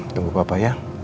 tunggu papa ya